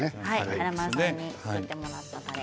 華丸さんに作ってもらったたれ。